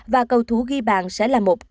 và cầu thủ ghi bàn sẽ là một một